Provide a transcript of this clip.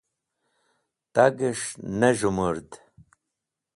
Tagẽs̃h ne z̃hẽmũrd.